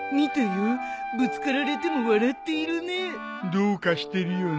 どうかしてるよな。